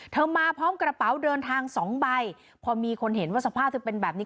มาพร้อมกระเป๋าเดินทางสองใบพอมีคนเห็นว่าสภาพเธอเป็นแบบนี้